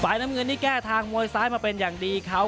น้ำเงินนี่แก้ทางมวยซ้ายมาเป็นอย่างดีเขา